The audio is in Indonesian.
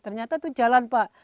ternyata itu jalan pak